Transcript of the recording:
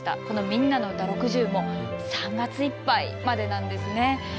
この「みんなのうた６０」も３月いっぱいまでなんですね。